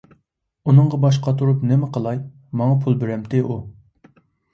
ئۇنىڭغا باش قاتۇرۇپ نېمە قىلاي، ماڭا پۇل بېرەمتى ئۇ!